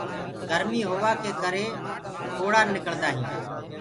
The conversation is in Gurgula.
گرمي هوآ ڪي ڪري ڦوڙآ نِڪݪدآ هينٚ۔